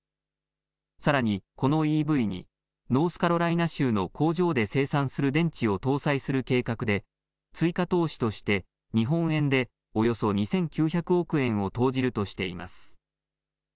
さらにこのＥＶにノースカロライナ州の工場で生産する電池を搭載する計画で追加投資として日本円でおよそ２９００億円を投じるとしています。